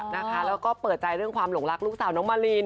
แล้วก็เปิดใจเรื่องความหลงรักลูกสาวน้องมาริน